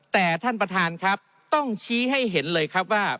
แต่ท่านประธานครับต้องชี้ให้เห็นเลยครับว่า